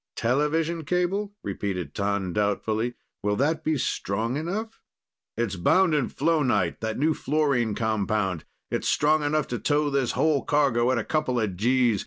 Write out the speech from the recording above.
"Television cable?" repeated T'an doubtfully. "Will that be strong enough?" "It's bound in flonite, that new fluorine compound. It's strong enough to tow this whole cargo at a couple of Gs.